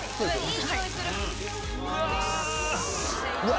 うわ！